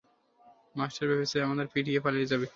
Master ভেবেছে আমাদের পিটিয়ে পালিয়ে যাবে?